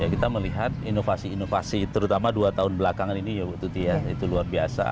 kita melihat inovasi inovasi terutama dua tahun belakangan ini ya bu tuti ya itu luar biasa